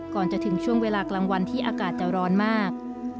ก่อนจะถึงช่วงเวลากลางวันที่อากาศจะร้อนมาก